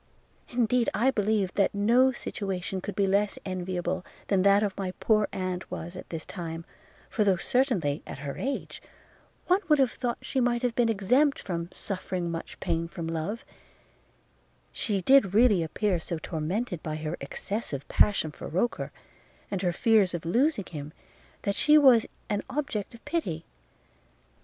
– Indeed, I believe, that no situation could be less enviable, than that of my poor aunt was at this time; for though certainly, at her age, one would have thought she might have been exempt from suffering much pain from love, she did really appear so tormented by her excessive passion for Roker, and her fears of losing him, that she was an object of pity.